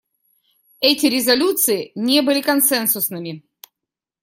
Эти резолюции не были консенсусными.